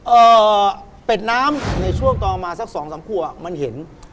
เอ่อเป็ดน้ำในช่วงต่อมาสักสองสามขัวมันเห็น